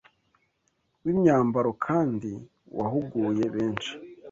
w’imyambaro kandi wahuguye benshi